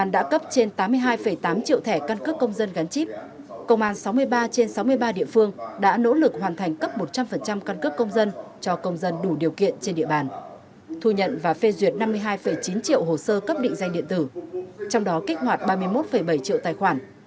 đã cấp trên tám mươi hai tám triệu thẻ căn cước công dân gắn chip công an sáu mươi ba trên sáu mươi ba địa phương đã nỗ lực hoàn thành cấp một trăm linh căn cước công dân cho công dân đủ điều kiện trên địa bàn thu nhận và phê duyệt năm mươi hai chín triệu hồ sơ cấp định danh điện tử trong đó kích hoạt ba mươi một bảy triệu tài khoản